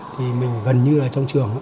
thì mình gần như là trong trường